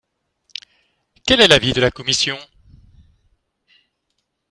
Quel est l’avis de la commission?